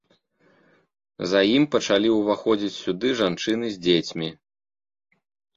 За ім пачалі ўваходзіць сюды жанчыны з дзецьмі.